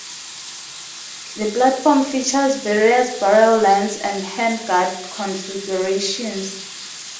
The platform features various barrel lengths and handguard configurations.